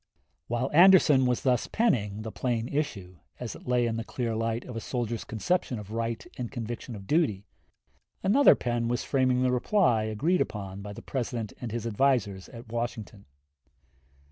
While Anderson was thus penning the plain issue, as it lay in the clear light of a soldier's conception of right and conviction of duty, another pen was framing the reply agreed upon by the President and his advisers at Washington.